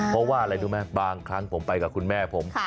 เพราะว่าอะไรรู้ไหมบางครั้งผมไปกับคุณแม่ผม